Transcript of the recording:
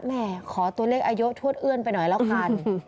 แม่ขอตัวเลขอายุทวดเอื้อนไปหน่อยแล้วกัน